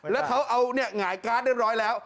แล้วเขาเอาหงายการ์ดเรียบร้อยแล้ว